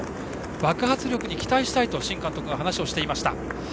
爆発力に期待したいと新監督は話をしていました。